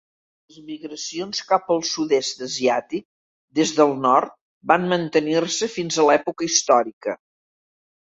Les migracions cap al sud-est asiàtic des del nord van mantenir-se fins a l'època històrica.